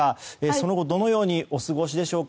その後どのようにお過ごしでしょうか。